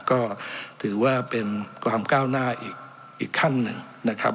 ก็ถือว่าเป็นความก้าวหน้าอีกขั้นหนึ่งนะครับ